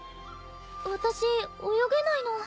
私泳げないの。